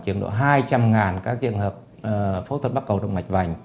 chiếm độ hai trăm linh các trường hợp phẫu thuật bắt cầu động mạch vành